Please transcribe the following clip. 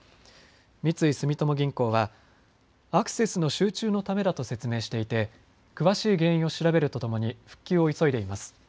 三井住友銀行はアクセスの集中のためだと説明していて詳しい原因を調べるとともに復旧を急いでいます。